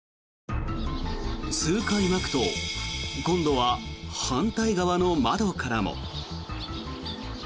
数回まくと今度は反対側の窓からも。